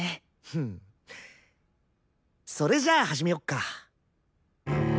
ふんそれじゃあ始めよっか。